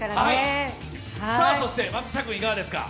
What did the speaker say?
そして松下君、いかがですか？